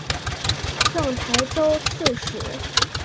赠台州刺史。